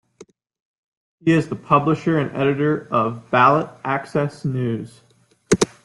He is the publisher and editor of "Ballot Access News".